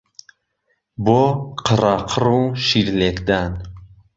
بۆ قرهقڕ و شير لێکدان